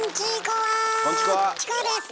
チコです！